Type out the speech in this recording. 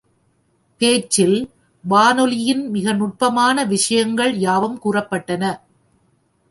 பேச்சில், வானொலியின் மிக நுட்பமான விஷயங்கள் யாவும் கூறப்பட்டன.